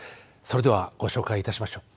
それではご紹介いたしましょう。